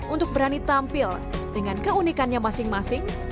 untuk berani tampil dengan keunikannya masing masing